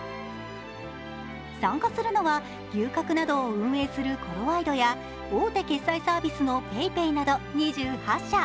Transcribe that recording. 参加するのは牛角などを運営するコロワイドや大手決済サービスのＰａｙＰａｙなど２８社。